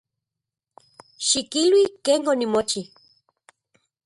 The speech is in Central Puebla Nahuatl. Xikilui ken onimochi.